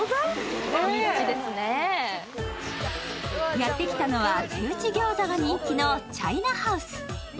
やってきたのは、手打ち餃子が人気のちゃいなハウス。